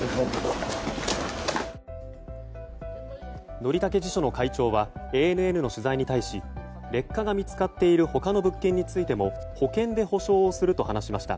則武地所の会長はＡＮＮの取材に対し劣化が見つかっている他の物件についても保険で補償をすると話しました。